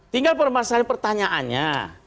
tinggal permasalahan pertanyaannya